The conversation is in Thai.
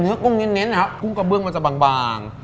กุ้งเน้นนะครับทุ่งกระเบื้องมันจะบาง